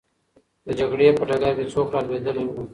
د جګړې په ډګر کې څوک رالوېدلی وو؟